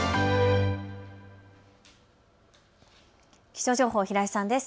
気象情報、平井さんです。